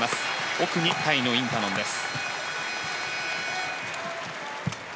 奥にタイのインタノンです。